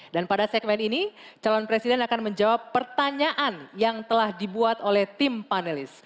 dan pada segmen ini calon presiden akan menjawab pertanyaan yang telah dibuat oleh tim panelis